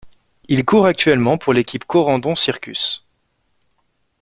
Il court actuellement pour l'équipe Corendon-Circus.